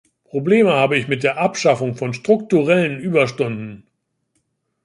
Probleme habe ich mit der Abschaffung von strukturellen Überstunden.